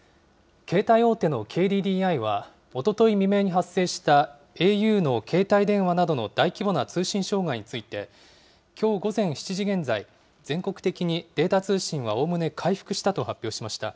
携帯大手のＫＤＤＩは、おととい未明に発生したａｕの携帯電話などの大規模な通信障害について、きょう午前７時現在、全国的にデータ通信はおおむね回復したと発表しました。